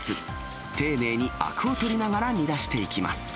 丁寧にあくを取りながら煮出していきます。